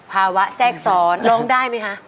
ภาวะแทรกษรร้องได้ไหมคะ